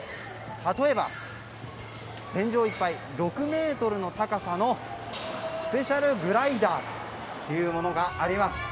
例えば、天井いっぱい６ｍの高さのスペシャルグライダーがあります。